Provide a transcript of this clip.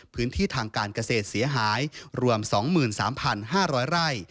พื้นที่ทางการเกษตรเสียหายรวม๒๓๕๐๐ไร่